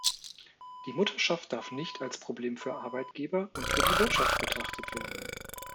Die Mutterschaft darf nicht als Problem für Arbeitgeber und für die Wirtschaft betrachtet werden.